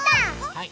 はい。